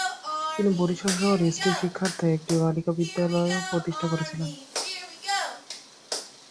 তিনি বরিশাল শহরে স্ত্রী শিক্ষার্থে একটি বালিকা বিদ্যালয়ও প্রতিষ্ঠা করেছিলেন।